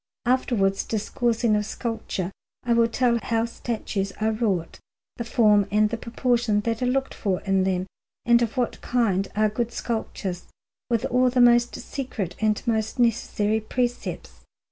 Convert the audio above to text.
Afterwards, discoursing of sculpture, I will tell how statues are wrought, the form and the proportion that are looked for in them, and of what kind are good sculptures, with all the most secret and most necessary precepts.